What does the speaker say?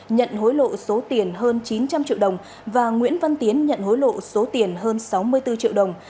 nhận hối lộ số tiền hơn chín trăm linh triệu đồng và nguyễn văn tiến nhận hối lộ số tiền hơn sáu mươi bốn triệu đồng